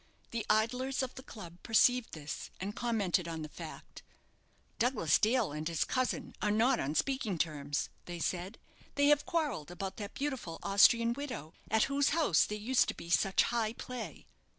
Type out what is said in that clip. The idlers of the club perceived this, and commented on the fact. "Douglas Dale and his cousin are not on speaking terms," they said: "they have quarrelled about that beautiful Austrian widow, at whose house there used to be such high play."